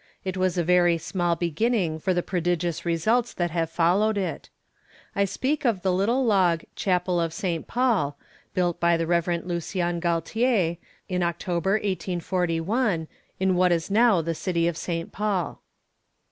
It was a very small beginning for the prodigious results that have followed it. I speak of the little log "Chapel of Saint Paul," built by the Rev. Lucian Galtier, in October, 1841, in what is now the city of St. Paul.